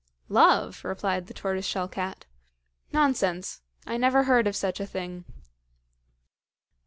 "Love!" replied the tortoiseshell cat. "Nonsense! I never heard of such a thing."